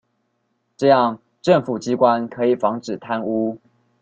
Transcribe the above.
這樣政府機關可以防止貪污